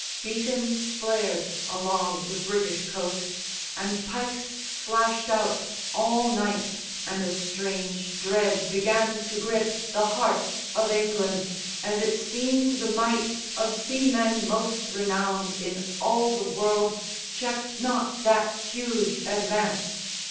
Beacons flared Along the British coast, and pikes flashed out All night, and a strange dread began to grip The heart of England, as it seemed the might Of seamen most renowned in all the world Checked not that huge advance.